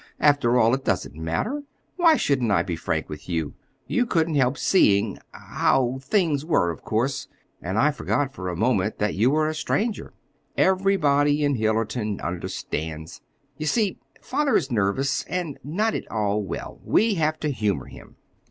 "After all, it doesn't matter. Why shouldn't I be frank with you? You couldn't help seeing—how things were, of course, and I forgot, for a moment, that you were a stranger. Everybody in Hillerton understands. You see, father is nervous, and not at all well. We have to humor him."